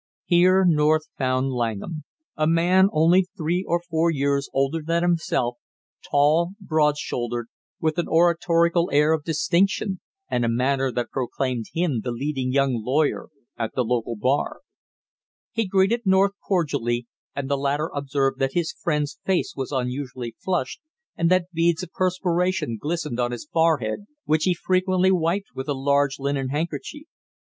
Here North found Langham a man only three or four years older than himself, tall, broad shouldered, with an oratorical air of distinction and a manner that proclaimed him the leading young lawyer at the local bar. He greeted North cordially, and the latter observed that his friend's face was unusually flushed, and that beads of perspiration glistened on his forehead, which he frequently wiped with a large linen handkerchief.